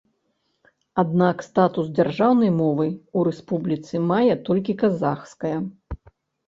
Аднак статус дзяржаўнай мовы ў рэспубліцы мае толькі казахская.